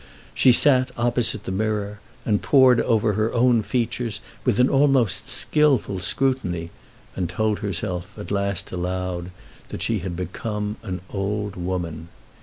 She sat opposite the mirror, and pored over her own features with an almost skilful scrutiny, and told herself at last aloud that she had become an old woman.